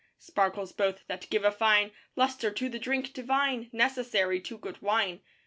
Sparkles both that give a fine Lustre to the drink divine, Necessary to good wine.